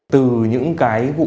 từ những cái